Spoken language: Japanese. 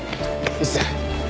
一星。